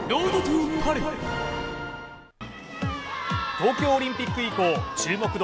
東京オリンピック以降注目度